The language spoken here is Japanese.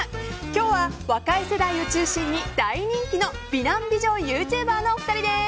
今日は若い世代を中心に大人気の美男美女ユーチューバーのお二人です。